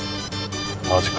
マジか。